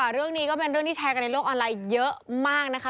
เรื่องนี้ก็เป็นเรื่องที่แชร์กันในโลกออนไลน์เยอะมากนะคะ